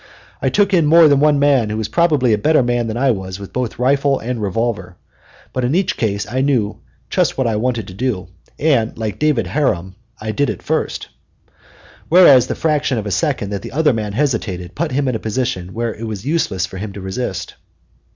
I took in more than one man who was probably a better man than I was with both rifle and revolver; but in each case I knew just what I wanted to do, and, like David Harum, I "did it first," whereas the fraction of a second that the other man hesitated put him in a position where it was useless for him to resist.